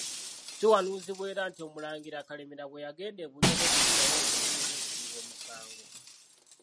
Kiwanuuzibwa era nti Omulangira Kalemeera bwe yagenda e Bunyoro okufunayo ebintu eby'okuliwa omusango.